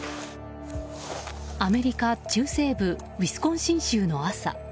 アメリカ中西部ウィスコンシン州の朝。